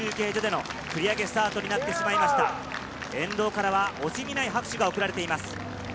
沿道からは惜しみない拍手が送られています。